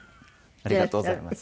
ありがとうございます。